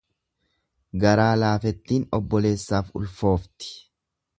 Garaa laafettiin obboleessaaf ulfoofti.